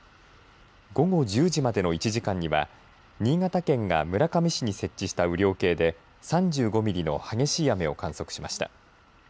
午後１０時までの１時間には新潟県が村上市に設置した雨量計で３５ミリの激しい雨を観測しました。